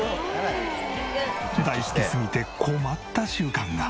大好きすぎて困った習慣が。